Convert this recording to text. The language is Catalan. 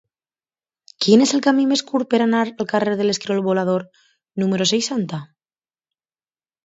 Quin és el camí més curt per anar al carrer de l'Esquirol Volador número seixanta?